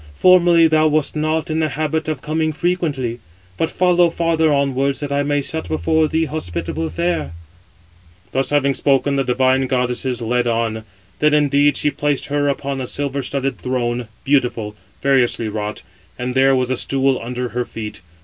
Formerly thou wast not in the habit of coming frequently. 590 But follow farther onwards, that I may set before thee hospitable fare." Thus having spoken, the divine of goddesses led on. Then indeed she placed her upon a silver studded throne, beautiful, variously wrought, and there was a stool under her feet.